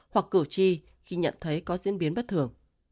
hoặc cử tri khi nhận thấy có diễn biến bất thường